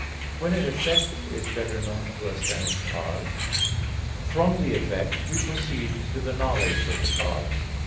When an effect is better known to us than its cause, from the effect we proceed to the knowledge of the cause.